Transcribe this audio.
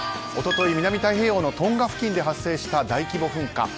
一昨日南太平洋のトンガ付近で発生した大規模噴火。